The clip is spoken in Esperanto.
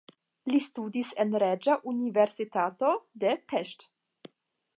Li studis en Reĝa Universitato de Pest.